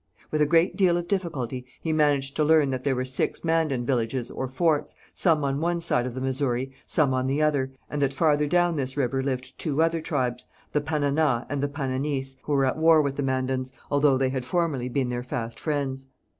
With a great deal of difficulty he managed to learn that there were six Mandan villages or forts, some on one side of the Missouri, some on the other, and that farther down this river lived two other tribes, the Panana and the Pananis, who were at war with the Mandans, although they had formerly been their fast friends.